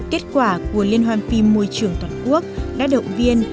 kết quả của liên hoan phim môi trường toàn quốc đã động viên